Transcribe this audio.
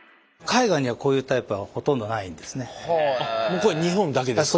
これ日本だけですか。